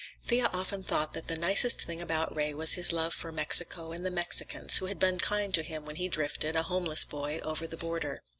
Thea often thought that the nicest thing about Ray was his love for Mexico and the Mexicans, who had been kind to him when he drifted, a homeless boy, over the border.